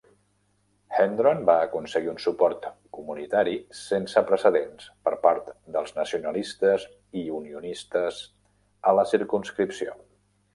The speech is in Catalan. Hendron va aconseguir un suport comunitari sense precedents per part dels nacionalistes i unionistes a la circumscripció.